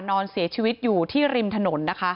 นอนเสียชีวิตอยู่ที่ริมถนนนะคะ